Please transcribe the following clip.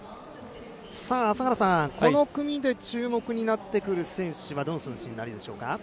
朝原さん、この組で注目になってくる選手はどの選手になってくるでしょうか。